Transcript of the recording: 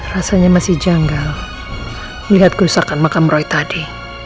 rasanya masih janggal melihat kerusakan makam roy tadi